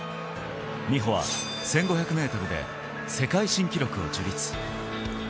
美帆は１５００ｍで世界新記録を樹立。